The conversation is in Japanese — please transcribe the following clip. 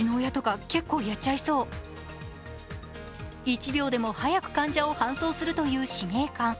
一秒でも早く患者を搬送するという使命感。